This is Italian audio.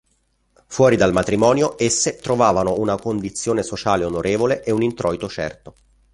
Fuori del matrimonio esse trovavano una condizione sociale onorevole e un introito certo.